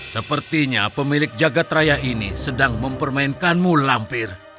sepertinya pemilik jagad raya ini sedang mempermainkanmu lampir